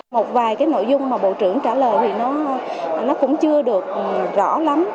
một vài cái nội dung mà bộ trưởng trả lời thì nó cũng chưa được rõ lắm